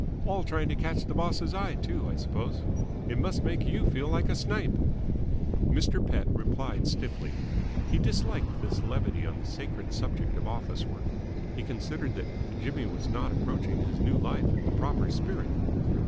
All trying to catch the boss's eye, too, I suppose? It must make you feel like a snipe." Mr. Pett replied stiffly. He disliked this levity on the sacred subject of office work. He considered that Jimmy was not approaching his new life in the proper spirit.